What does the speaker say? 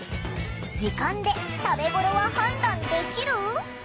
時間で食べごろは判断できる？